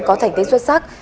có thành tích xuất sắc